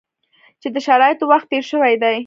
چې د شرایطو وخت تېر شوی دی.